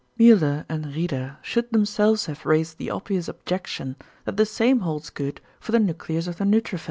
Müller and Rieder should themselves have raised the obvious objection that the same holds good for the nucleus of the neutrophils.